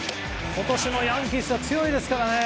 今年もヤンキースは強いですからね。